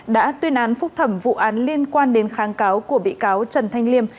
đã tuyên án phúc thẩm vụ án liên quan đến kháng cáo của bị cáo trần thanh liêm